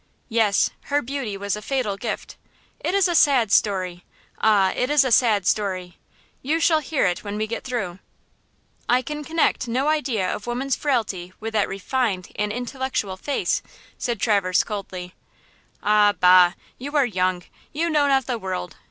"Yes; her beauty was a fatal gift. It is a sad story. Ah, it is a sad story. You shall hear it when we get through." "I can connect no idea of woman's frailty with that refined and intellectual face," said Traverse coldly. "Ah, bah! you are young! you know not the world!